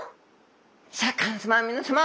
シャーク香音さま皆さま